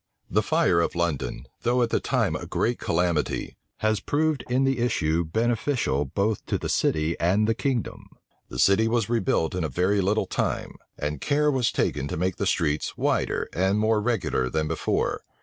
The fire of London, though at that time a great calamity, has proved in the issue beneficial both to the city and the kingdom. The city was rebuilt in a very little time; and care was taken to make the streets wider and more regular than before.